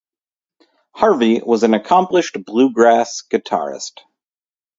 Harvey was an accomplished Bluegrass guitarist.